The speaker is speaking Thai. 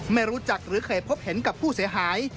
ไม่รู้จักหรือเคยพบเห็นกับผู้เสียหาย